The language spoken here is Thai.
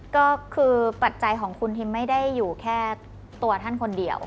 ก็คือปัจจัยของคุณทิมไม่ได้อยู่แค่ตัวท่านคนเดียว